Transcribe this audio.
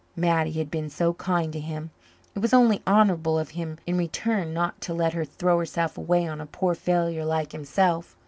Mattie had been so kind to him. It was only honourable of him in return not to let her throw herself away on a poor failure like himself.